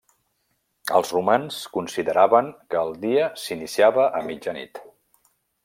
Els romans consideraven que el dia s'iniciava a mitjanit.